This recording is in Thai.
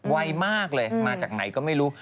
ไวมากเลยมาจากไหนก็ไม่รู้